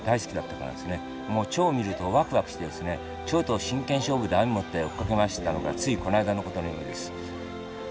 もうチョウを見るとワクワクしてですねチョウと真剣勝負で網持って追っかけ回してたのがついこないだのことのようです。